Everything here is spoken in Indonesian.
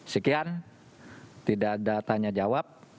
sekian tidak ada tanya jawab